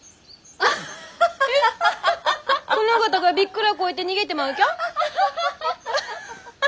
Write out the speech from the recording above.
殿方がびっくらこいて逃げてまうきゃ？